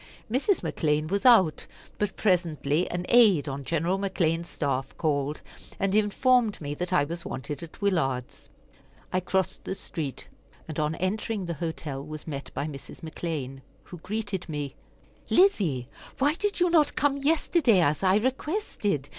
Mrs. McClean was out, but presently an aide on General McClean's staff called, and informed me that I was wanted at Willard's. I crossed the street, and on entering the hotel was met by Mrs. McClean, who greeted me: "Lizzie, why did you not come yesterday, as I requested?